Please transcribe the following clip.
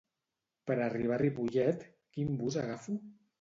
Per arribar a Ripollet, quin bus agafo?